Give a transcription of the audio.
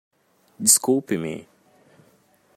Desculpe-me!